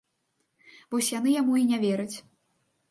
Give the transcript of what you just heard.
Вось яны яму і не вераць.